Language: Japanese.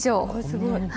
すごい。